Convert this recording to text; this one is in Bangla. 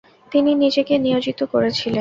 তিনি নিজেকে নিয়োজিত করেছিলেন।